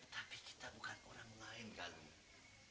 tapi kita bukan orang lain galuh